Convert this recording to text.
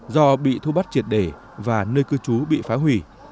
do bị thu bắt triệt đề và nơi cư trú bị phá hủy